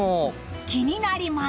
気になります！